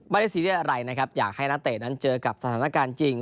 ซีเรียสอะไรนะครับอยากให้นักเตะนั้นเจอกับสถานการณ์จริง